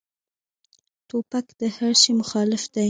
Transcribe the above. توپک د هر شي مخالف دی.